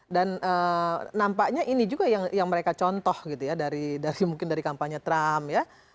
dan nampaknya ini juga yang mereka contoh gitu ya dari mungkin dari kampanye trump ya